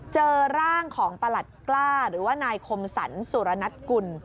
เจอร่างของประหลัดกล้าหรือว่านายคมสรรสุรณัทกุล